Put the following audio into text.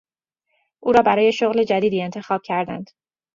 او را برای شغل جدیدی انتخاب کردند.